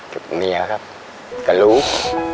กับเมียครับกับลูก